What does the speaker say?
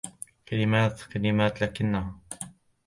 كلمات... كلمات.... لكنها.